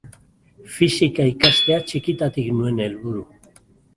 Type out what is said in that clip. Fisika ikastea txikitatik nuen helburu.